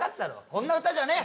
こんな歌じゃねえ！